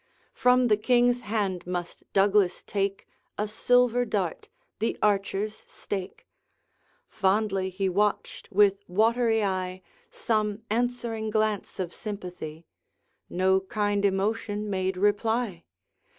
From the King's hand must Douglas take A silver dart, the archers' stake; Fondly he watched, with watery eye, Some answering glance of sympathy, No kind emotion made reply!